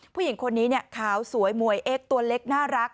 ผู้หญิงคนนี้ขาวสวยหมวยเอ็กซตัวเล็กน่ารัก